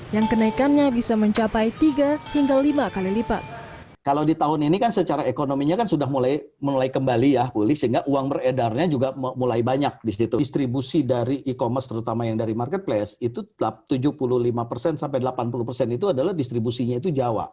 yang kenaikannya bisa mencapai tiga hingga lima kali lipat